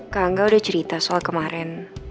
kak angga udah cerita soal kemarin